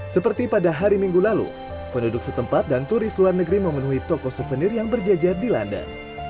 seperti pada hari minggu lalu penduduk setempat dan turis luar negeri memenuhi toko souvenir yang berjajar di london